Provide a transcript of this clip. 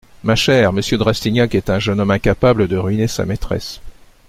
Ma chère, monsieur de Rastignac est un jeune homme incapable de ruiner sa maîtresse.